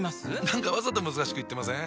何かわざと難しく言ってません？